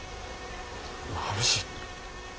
まぶしい。